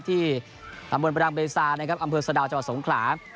ตำบลประดังเบซานะครับอำเภอสะดาวจังหวัดสงขลา